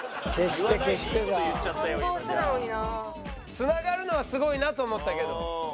繋がるのはすごいなと思ったけど。